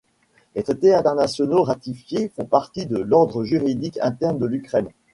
Les traités internationaux ratifiés font partie de l'ordre juridique interne de l'Ukraine.